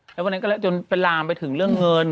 แล้ววันนั้นก็เลยจนเป็นลามไปถึงเรื่องเงิน